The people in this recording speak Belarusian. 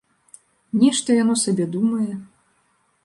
Нешта яно сабе думае.